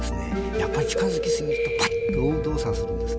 やっぱり近づきすぎるとパッと追う動作をするんです。